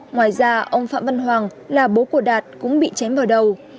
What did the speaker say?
ngoài ra ông phạm văn hoàng là bố của đạt cũng bị chém vào đầu